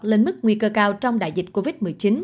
lên mức nguy cơ cao trong đại dịch covid một mươi chín